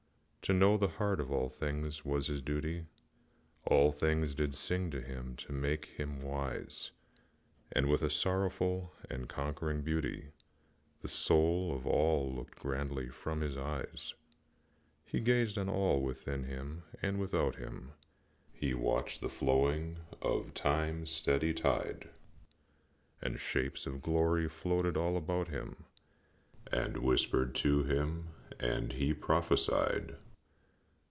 To know the heart of all things was his duty, All things did sing to him to make him wise, And, with a sorrowful and conquering beauty, The soul of all looked grandly from his eyes. He gazed on all within him and without him, He watched the flowing of Time's steady tide, And shapes of glory floated all about him And whispered to him, and he prophesied.